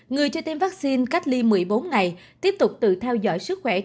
người chưa tiêm vaccine cách ly một mươi bốn ngày tiếp tục tự theo dõi sức khỏe